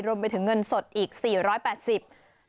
รวมไปถึงเงินสดอีก๔๘๐บาท